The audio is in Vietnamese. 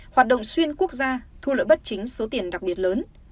hoạt động xuyên quốc gia thu lợi bất chính số tiền đặc biệt lớn